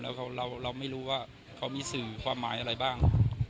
แล้วเราไม่รู้ว่าเขามีสื่อความหมายอะไรบ้าง